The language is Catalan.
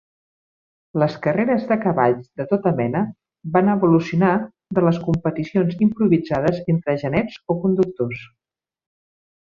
Les carreres de cavalls de tota mena van evolucionar de les competicions improvisades entre genets o conductors.